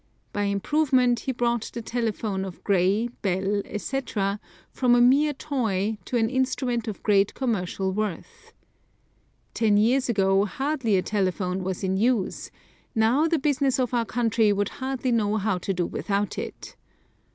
By improvement he brought the telephone of Gray, Bell, etc., from a mere toy to an instrument of great commercial worth. Ten years ago hardly a telephone was in use; now the business of our country would hardly know how to do without it.